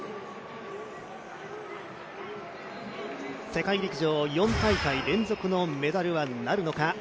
世界陸上４大会連続のメダルはなるのか。